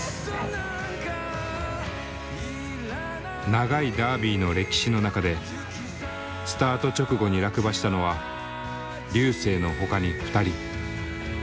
長いダービーの歴史の中でスタート直後に落馬したのは瑠星のほかに２人。